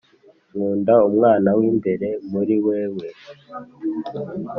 nkunda umwana w'imbere muri wewe